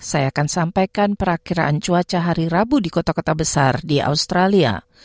saya akan sampaikan perakhiran cuaca hari rabu di kota kota besar di australia